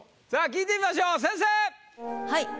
聞いてみましょう先生！